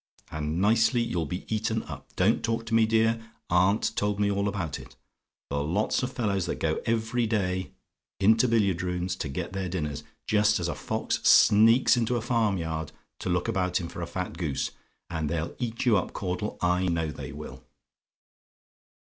And nicely you'll be eaten up. Don't talk to me; dear aunt told me all about it. The lots of fellows that go every day into billiard rooms to get their dinners, just as a fox sneaks into a farm yard to look about him for a fat goose and they'll eat you up, Caudle; I know they will.